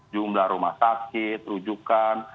jumlah rumah sakit rujukan